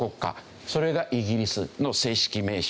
それがイギリスの正式名称。